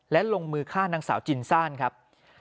และลงมือฆ่านางสาวจินซ่านครับ